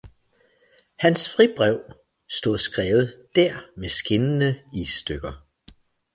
Hans fribrev stod skrevet der med skinnende isstykker.